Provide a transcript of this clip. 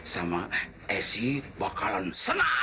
sama eh si bakalan senang